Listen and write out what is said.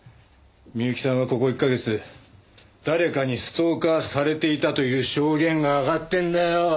美由紀さんはここ１カ月誰かにストーカーされていたという証言があがってるんだよ。